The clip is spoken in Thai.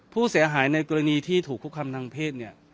ผู้เสียหายในกรณีที่ถูกคุกคำทางเพศเนี่ย